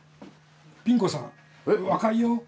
ピン子さん若いよ。え？